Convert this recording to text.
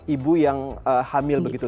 ibu yang hamil begitu